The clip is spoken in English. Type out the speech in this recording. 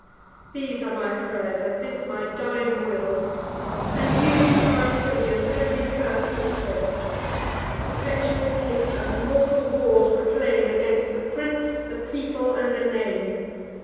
These are my pray'rs, and this my dying will; And you, my Tyrians, ev'ry curse fulfil. Perpetual hate and mortal wars proclaim, Against the prince, the people, and the name.